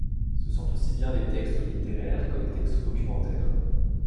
Ce sont aussi bien des textes littéraires que des textes documentaires.